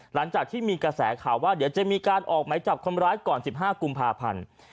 หลังจากที่มีกระแสข่าวว่าเดี๋ยวจะมีการออกไหมจับคนร้ายก่อน๑๕กุมภาพันธ์